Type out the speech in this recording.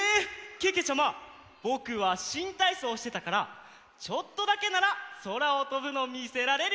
けけちゃまぼくはしんたいそうをしてたからちょっとだけならそらをとぶのみせられるよ！